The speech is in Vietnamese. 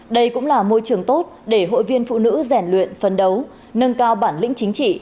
đây cũng là môi trường tốt để hội viên phụ nữ rèn luyện phấn đấu nâng cao bản lĩnh chính trị